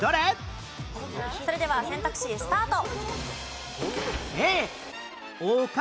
それでは選択肢スタート。